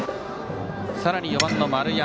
さらに４番、丸山